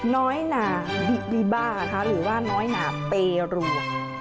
น้อยหน่าบิบาค่ะหรือว่าน้อยหน่าเปรู